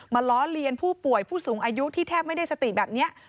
ล้อเลียนผู้ป่วยผู้สูงอายุที่แทบไม่ได้สติแบบนี้